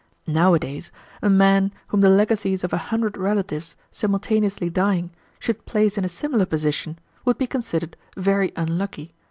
Nowadays a man whom the legacies of a hundred relatives, simultaneously dying, should place in a similar position, would be considered very unlucky.